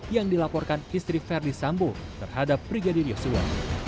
yang dilaporkan istri verdi sambo terhadap brigadir yosua